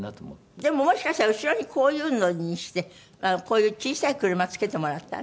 でももしかしたら後ろにこういうのにしてこういう小さい車付けてもらったら？